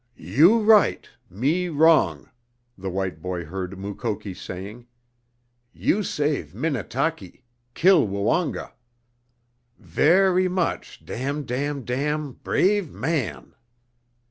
"You right me wrong," the white boy heard Mukoki saying. "You save Minnetaki kill Woonga. Very much dam' dam' dam' brave man!"